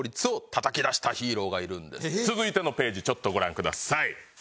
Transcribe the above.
続いてのページちょっとご覧ください。